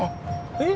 えっ？